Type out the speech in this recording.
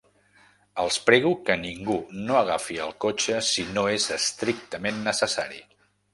Els prego que ningú no agafi el cotxe si no és estrictament necessari.